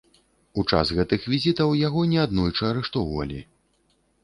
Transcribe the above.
У час гэтых візітаў яго не аднойчы арыштоўвалі.